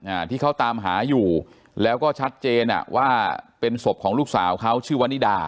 อ่าที่เขาตามหาอยู่แล้วก็ชัดเจนอ่ะว่าเป็นศพของลูกสาวเขาชื่อวนิดา